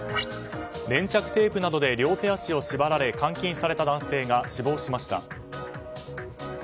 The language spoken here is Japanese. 粘着テープなどで両手足を縛られ監禁された男性が死亡しました。